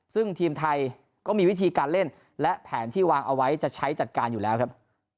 ซึ่งทีมไทยก็มีวิธีการเล่นและแผนที่วางเอาไว้จะใช้จัดการอยู่แล้วครับ